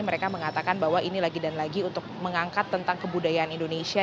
mereka mengatakan bahwa ini lagi dan lagi untuk mengangkat tentang kebudayaan indonesia